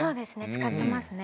使ってますね。